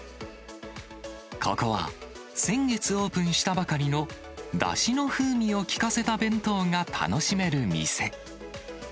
ここは、先月オープンしたばかりの、だしの風味を効かせた弁当が楽しめる店。